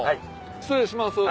失礼します。